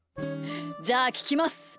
じゃあききます。